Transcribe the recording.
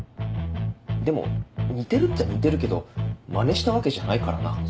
でも似てるっちゃ似てるけどマネしたわけじゃないからな。